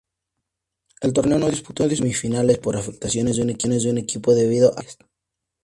El torneo no disputó semifinales por afectaciones de un equipo, debido a las lluvias.